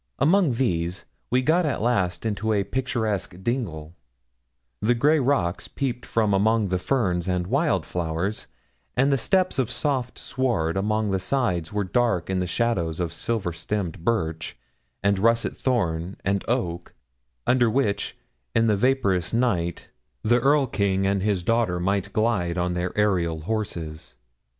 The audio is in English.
Among these, we got at last into a picturesque dingle; the grey rocks peeped from among the ferns and wild flowers, and the steps of soft sward along its sides were dark in the shadows of silver stemmed birch, and russet thorn, and oak, under which, in the vaporous night, the Erl king and his daughter might glide on their aërial horses.